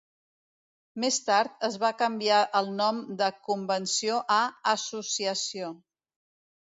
Més tard es va canviar el nom de 'Convenció' a 'Associació'.